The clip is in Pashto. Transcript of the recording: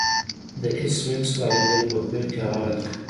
د ایس میکس والدینو په پیل کې هغه رد کړ